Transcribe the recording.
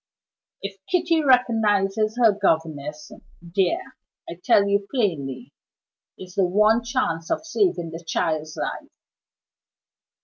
If Kitty recognizes her governess there, I tell you plainly, is the one chance of saving the child's life."